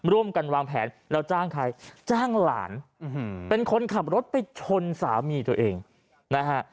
ร่วมกันวางแผนแล้วจ้างใครจ้างหลานเป็นคนขับรถไปชนสามีตัวเองนะฮะ